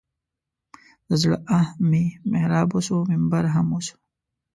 د زړه آه مې محراب وسو منبر هم وسو.